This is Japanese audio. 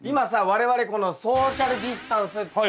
我々このソーシャルディスタンスっつって。